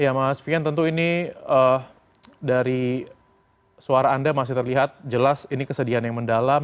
ya mas fian tentu ini dari suara anda masih terlihat jelas ini kesedihan yang mendalam